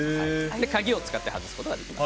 鍵を使って外すことができます。